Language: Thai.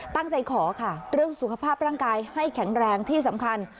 ตั้งใจขอค่ะเรื่องสุขภาพร่างกายให้แข็งแรงที่สำคัญ